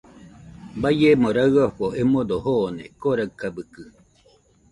Baiemo raɨafo emodo joone Koraɨkabɨkɨ